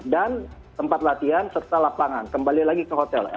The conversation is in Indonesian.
dan tempat latihan serta lapangan kembali lagi ke hotel